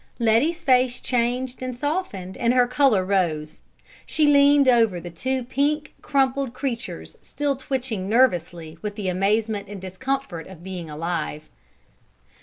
Letty's face changed and softened and her color rose. She leaned over the two pink, crumpled creatures, still twitching nervously with the amazement and discomfort of being alive.